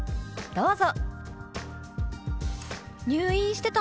どうぞ。